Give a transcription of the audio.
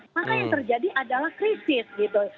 maka yang terjadi adalah krisis gitu